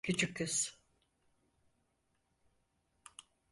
Küçük kız.